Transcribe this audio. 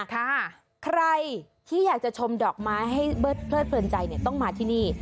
ใครที่อยากจะชมดอกไม้ให้เบิดเพลิดเพลินใจเนี่ยต้องมาที่นี่